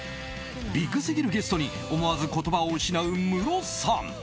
ビッグすぎるゲストに思わず言葉を失うムロさん。